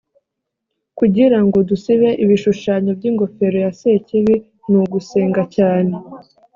kugira ngo dusibe ibishushanyo by’ingofero ya sekibi ni ugusenga cyane